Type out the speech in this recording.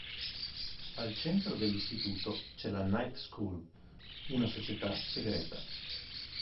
Al centro dell'istituto c'è la "Night School", una società segreta.